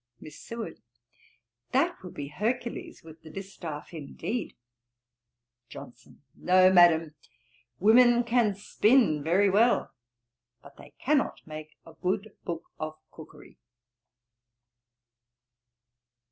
Miss SEWARD. 'That would be Hercules with the distaff indeed.' JOHNSON. 'No, Madam. Women can spin very well; but they cannot make a good book of Cookery.'